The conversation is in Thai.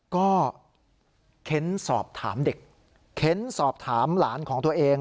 ก็เค้นสอบถามเด็กเค้นสอบถามหลานของตัวเอง